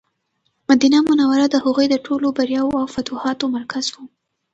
مدینه منوره د هغوی د ټولو بریاوو او فتوحاتو مرکز و.